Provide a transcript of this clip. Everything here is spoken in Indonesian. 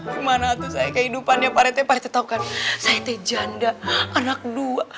gimana tuh saya kehidupannya pak rete pada saya tahu kan saya teh janda anak dua